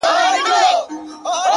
• ژوند که ورته غواړې وایه وسوځه ,